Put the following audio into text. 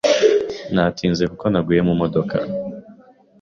Natinze kuko naguye mumodoka.